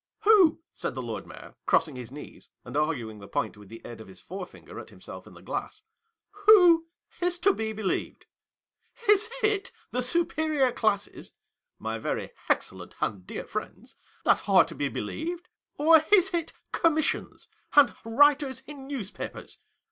<; Who," said the Lord Mayor, crossing his knees, and arguing the point, with the aid of his forefinger, at himself in the glass, "who is to be believed ? Is it the superior classes (my very excellent and dear friends) that are to be believed, or is it Commissions and VOL. x. 243 314 HOUSEHOLD WORDS. [Conducted by writers in newspapers